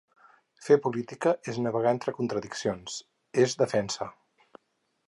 Fer política és navegar entre contradiccions, es defensa.